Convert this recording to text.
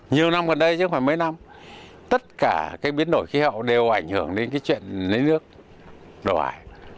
nhiều năm gần đây chứ không phải mấy năm tất cả cái biến đổi khí hậu đều ảnh hưởng đến cái chuyện lấy nước đổ hải